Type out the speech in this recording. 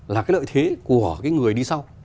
là cái lợi thế của cái người đi sau